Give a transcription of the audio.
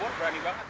di wilayah itu